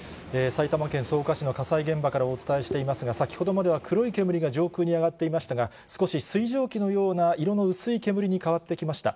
埼玉県草加市の火災現場からお伝えしていますが、先ほどまでは黒い煙が上空に上がっていましたが、少し水蒸気のような、色の薄い煙に変わってきました。